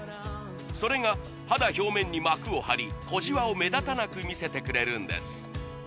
それが肌表面に膜を張り小じわを目立たなく見せてくれるんです